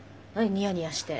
ニヤニヤして。